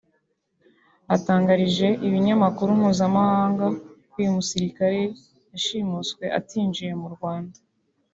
atangarije ibinyamakuru mpuzamahanga ko uyu musirikare yashimuswe atinjiye mu Rwanda